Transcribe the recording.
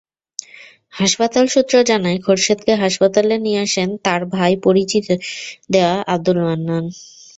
হাসপাতাল সূত্র জানায়, খোরশেদকে হাসপাতালে নিয়ে আসেন তাঁর ভাই পরিচয় দেওয়া আবদুল মান্নান।